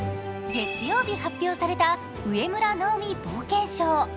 月曜日、発表された植村直己冒険賞。